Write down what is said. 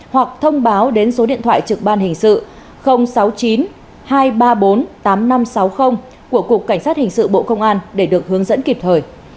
hoặc thông báo đến số điện thoại trực ban hình sự sáu mươi chín hai trăm ba mươi bốn tám nghìn năm trăm sáu mươi của cục cảnh sát hình sự bộ công an để được hướng dẫn kịp thời